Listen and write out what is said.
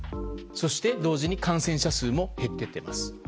そして、同時に感染者数も減っていっています。